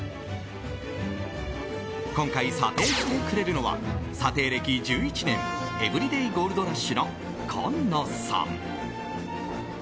今回査定してくれるのは査定歴１１年エブリデイゴールドラッシュの今野さん。